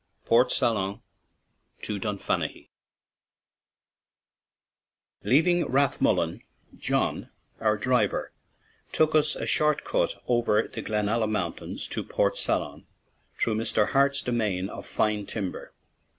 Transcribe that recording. PORT SALON TO DUNFANAGHY LEAVING Rathmullen, John, our driver, took us a short cut over the Glenalla Moun tains to Port Salon, through Mr. Hart's demesne of fine timber.